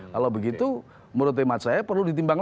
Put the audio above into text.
kalau begitu menurut imat saya perlu ditimbang